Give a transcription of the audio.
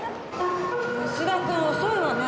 安田君遅いわね。